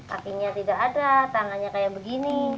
kakinya tidak ada tangannya kayak begini